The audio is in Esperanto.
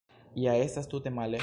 Ja estas tute male.